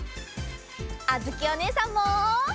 あづきおねえさんも。